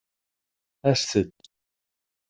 Aset-d!